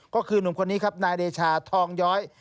ก็คือหนุ่มคนนี้ครับนายเดชาทองย้อย